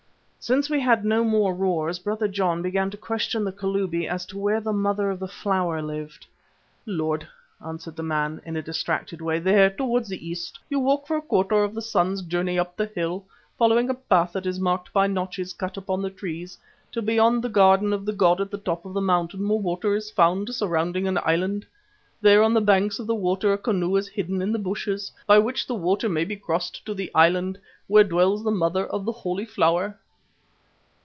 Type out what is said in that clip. Since we heard no more roars Brother John began to question the Kalubi as to where the Mother of the Flower lived. "Lord," answered the man in a distracted way, "there, towards the East. You walk for a quarter of the sun's journey up the hill, following a path that is marked by notches cut upon the trees, till beyond the garden of the god at the top of the mountain more water is found surrounding an island. There on the banks of the water a canoe is hidden in the bushes, by which the water may be crossed to the island, where dwells the Mother of the Holy Flower."